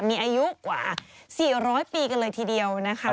มีอายุกว่า๔๐๐ปีกันเลยทีเดียวนะคะ